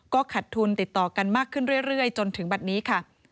ก็ขัดทุนติดต่อกันมากขึ้นเรื่อยจนถึงบัตรนี้ค่ะ